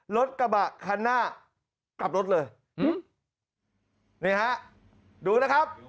รถกระบะคันหน้ากลับรถเลยอืมนี่ฮะดูนะครับ